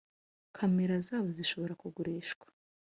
kamera zabo zishobora kugurishwa.